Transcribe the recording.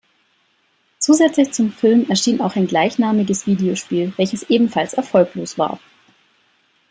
Zusätzlich zum Film erschien auch ein gleichnamiges Videospiel, welches ebenfalls erfolglos war.